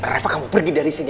reva kamu pergi dari sini